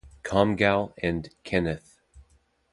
Comgall and Kenneth.